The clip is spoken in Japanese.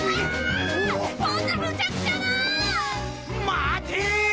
待て！